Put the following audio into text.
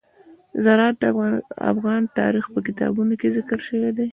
زراعت د افغان تاریخ په کتابونو کې ذکر شوی دي.